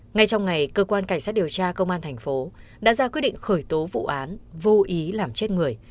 ngay trong ngày cơ quan cảnh sát điều tra công an thành phố đã ra quyết định khởi tố vụ án vô ý làm chết người